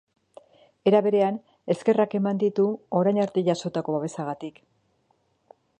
Era berean, eskerrak eman ditu orain arte jasotako babesagatik.